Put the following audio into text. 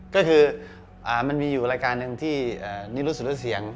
ก็คือมันมีอยู่รายการหนึ่งที่นี่รู้สึกว่าเสียง